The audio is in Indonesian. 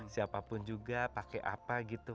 siapapun juga pakai apa gitu